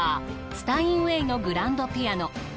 スタインウェイのグランドピアノ。